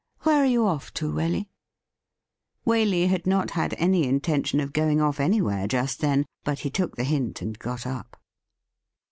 ' Where are you off" to, Waley .?' Waley had not had any intention of going off" anywhere just then ; but he took the hint and got up.